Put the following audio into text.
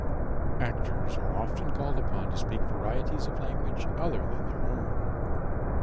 Actors are often called upon to speak varieties of language other than their own.